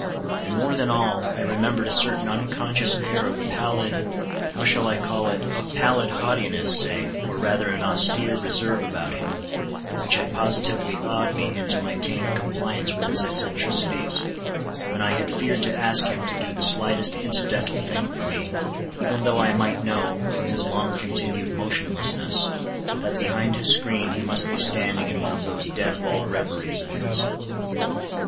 And more than all, I remembered a certain unconscious air of pallid—how shall I call it?—of pallid haughtiness, say, or rather an austere reserve about him, which had positively awed me into my tame compliance with his eccentricities, when I had feared to ask him to do the slightest incidental thing for me, even though I might know, from his long continued motionlessness, that behind his screen he must be standing in one of those dead wall reveries of his.